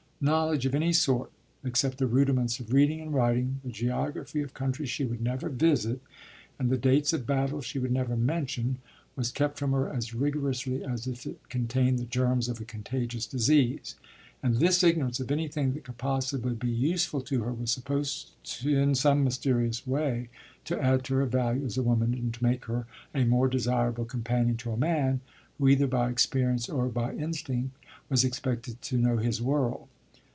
Knowledge of any sort (except the rudiments of reading and writing, the geography of countries she would never visit, and the dates of battles she would never mention) was kept from her as rigorously as if it contained the germs of a contagious disease. And this ignorance of anything that could possibly be useful to her was supposed in some mysterious way to add to her value as a woman and to make her a more desirable companion to a man who, either by experience or by instinct, was expected "to know his world."